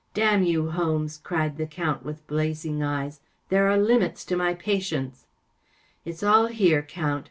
‚ÄĚ 44 Damn you, Holmes ! ‚ÄĚ cried the Count, with blazing eyes. 44 There are limits to my patience ! ‚ÄĚ 44 It's all here, Count.